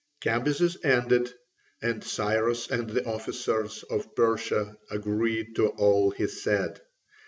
Cambyses ended, and Cyrus and the officers of Persia agreed to all he said.